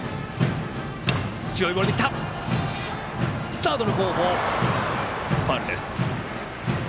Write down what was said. サードの後方、ファウル。